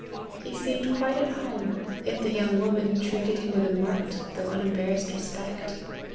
He seemed quite at home, yet the young woman treated him with a marked, though unembarrassed respect.